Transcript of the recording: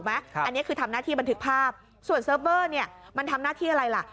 อันนี้คือทำหน้าที่บันทึกภาพส่วนเซิร์ฟเวอร์เนี่ยมันทำหน้าที่อะไรล่ะ